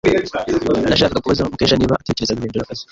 Nashakaga kubaza Mukesha niba atekereza guhindura akazi.